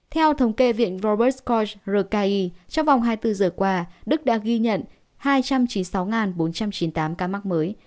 theo thống kê viện robert corekai trong vòng hai mươi bốn giờ qua đức đã ghi nhận hai trăm chín mươi sáu bốn trăm chín mươi tám ca mắc mới